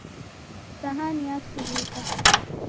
Sahani yaturuka.